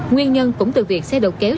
nguyên nhân cũng từ việc xe đầu kéo